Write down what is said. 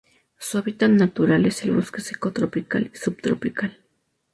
Su hábitat natural es el bosque seco tropical o subtropical.